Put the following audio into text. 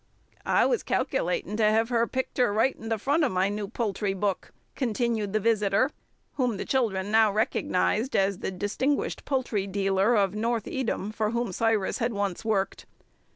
"I was calc'latin' to hev her picter right in the front of my new poultry book," continued the visitor, whom the children now recognized as the distinguished poultry dealer of North Edom for whom Cyrus had once worked.